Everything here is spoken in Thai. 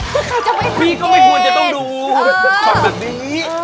ใครจะไปสังเกตพี่ก็ไม่ควรจะต้องดูความแบบนี้